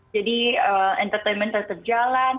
jadi entertainment tetap jalan